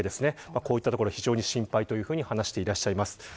こういったところが非常に心配というふうに話しています。